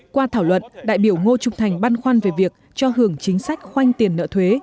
qua thảo luận đại biểu ngô trục thành băn khoăn về việc cho hưởng chính sách khoanh tiền nợ thuế